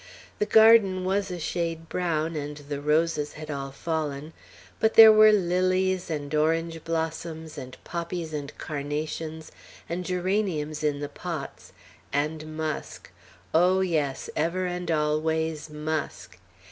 The garden was a shade brown, and the roses had all fallen; but there were lilies, and orange blossoms, and poppies, and carnations, and geraniums in the pots, and musk, oh, yes, ever and always musk.